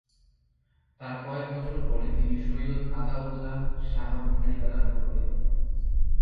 তার কয়েক বছর পরে তিনি সৈয়দ আতা উল্লাহ শাহ বুখারী দ্বারা প্রভাবিত হন।